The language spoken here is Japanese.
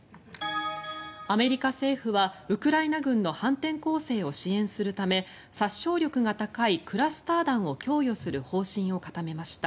アメリカ政府はウクライナ軍の反転攻勢を支援するため殺傷力が高いクラスター弾を供与する方針を固めました。